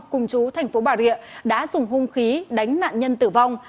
cùng chú thành phố bà rịa đã dùng hung khí đánh nạn nhân tử vong